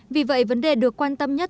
vì vậy vấn đề được quan tâm nhất